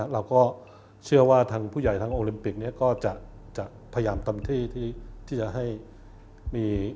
เราก็เชื่อว่าทางผู้ใหญ่ทั้งโอลิมปิกก็จะพยายามเต็มที่ที่จะให้มี